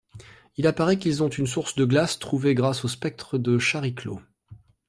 Il apparaît qu'ils ont une source de glace trouvée grâce au spectre de Chariclo.